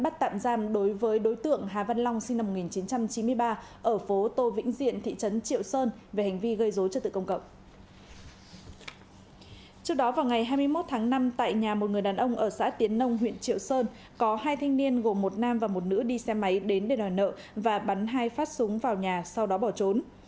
trước đó vào ngày hai mươi một tháng năm tại nhà một người đàn ông ở xã tiến nông huyện triệu sơn có hai thanh niên gồm một nam và một nữ đi xe máy đến để đòi nợ và bắn hai phát súng vào nhà sau đó bỏ trốn